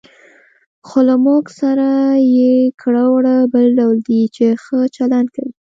خو له موږ سره یې کړه وړه بل ډول دي، چې ښه چلند کوي.